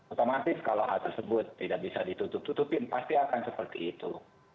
otomatis kalau hal tersebut tidak bisa ditutup tutupin pasti akan seperti itu